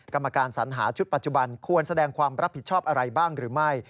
กรรมการสัญหาชุดปัจจุบันควรแสดงความรับผิดชอบอะไรบ้างหรือไม่